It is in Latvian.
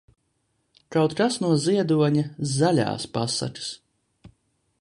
Kaut kas no Ziedoņa "Zaļās pasakas".